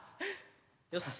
よし。